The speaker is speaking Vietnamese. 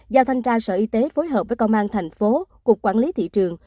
giao thanh tra sở y tế phối hợp với công an thành phố cục quản lý thị trường